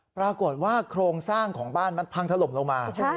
ปรากฏว่าโครงสร้างของบ้านมันพังถล่มลงมา